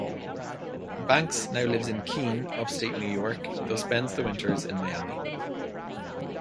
Banks now lives in Keene, upstate New York, though spends the winters in Miami.